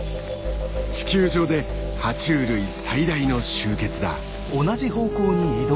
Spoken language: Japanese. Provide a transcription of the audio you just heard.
地球上では虫類最大の集結だ。